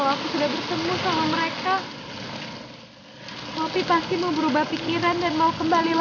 aku harus cari sally dan babu